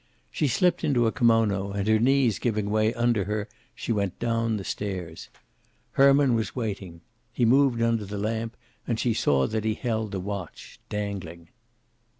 She slipped into a kimono, and her knees giving way under her she went down the stairs. Herman was waiting. He moved under the lamp, and she saw that he held the watch, dangling.